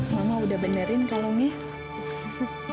mama udah benerin kalungnya